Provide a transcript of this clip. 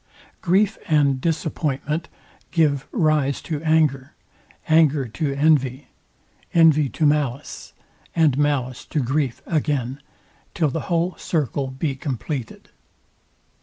Grief and disappointment give rise to anger, anger to envy, envy to malice, and malice to grief again, till the whole circle be compleated.